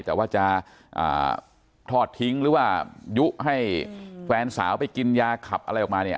แต่ว่าจะทอดทิ้งหรือว่ายุให้แฟนสาวไปกินยาขับอะไรออกมาเนี่ย